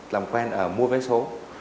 làm quen ở mua vé số